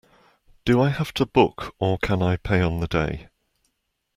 Do I have to book, or can I pay on the day?